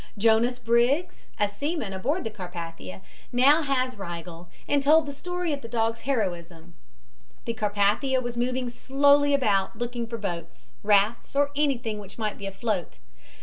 Jonas Briggs, a seaman abroad the Carpathia, now has Rigel and told the story of the dog's heroism. The Carpathia was moving slowly about, looking for boats, rafts or anything which might be afloat.